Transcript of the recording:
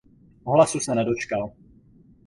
Ohlasu se nedočkal.